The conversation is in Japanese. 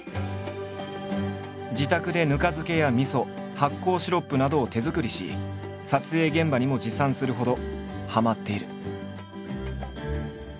自宅でぬか漬けやみそ発酵シロップなどを手作りし撮影現場にも持参するほどはまっている。